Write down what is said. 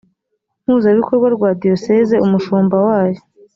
mpuzabikorwa rwa diyoseze umushumba wayo